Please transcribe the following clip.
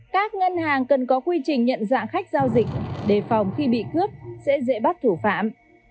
các ngân hàng cần có quy trình nhận dạng khách giao dịch đề phòng khi bị cướp sẽ dễ bắt thủ phạm